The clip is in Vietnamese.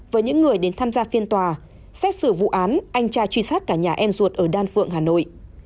với những người đến tham gia phiên tòa xét xử vụ án anh tra truy sát cả nhà em ruột ở đan phượng hà nội